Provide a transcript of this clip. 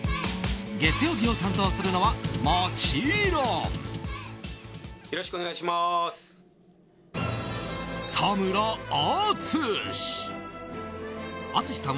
月曜日を担当するのはもちろん。